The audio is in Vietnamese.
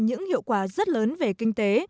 những hiệu quả rất lớn về kinh tế